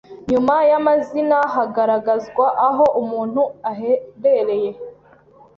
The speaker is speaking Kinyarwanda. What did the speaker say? Nyuma y’amazina hagaragazwa aho umuntu aherereye